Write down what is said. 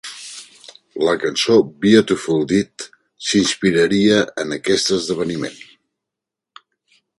La cançó "Beautiful Death" s'inspiraria en aquest esdeveniment.